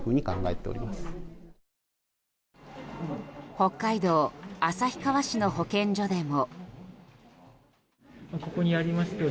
北海道旭川市の保健所でも。